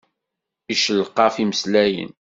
Iccelqaf imeslayen.